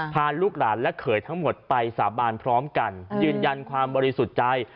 พาลูกหลานและเขยทั้งหมดไปสาบานพร้อมกันยืนยันความบริสุทธิ์ใจ